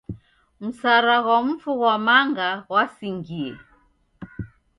Msara ghwa mfu ghwa manga ghwasingie.